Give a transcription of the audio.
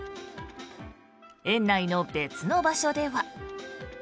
園内の別の場所では。